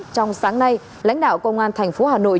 trong sáng nay lãnh đạo công an thành phố hà nội